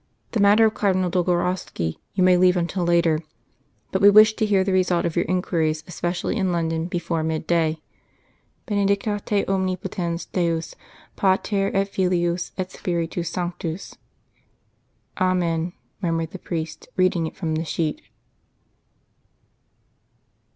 The matter of Cardinal Dolgorovski you may leave until later. But we wish to hear the result of your inquiries, especially in London, before mid day. Benedicat te Omnipotens Deus, Pater et Filius et Spiritus Sanctus." "'Amen!'" murmured the priest, reading it from the sheet.